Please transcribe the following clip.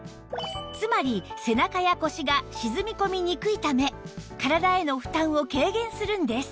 つまり背中や腰が沈み込みにくいため体への負担を軽減するんです